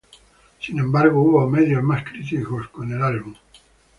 Sin embargo, hubo medios más críticos con el álbum.